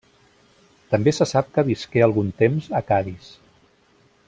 També se sap que visqué algun temps a Cadis.